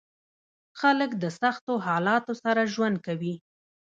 خلک د سختو حالاتو سره ژوند کوي.